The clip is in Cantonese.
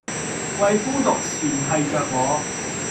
為孤獨纏繫著我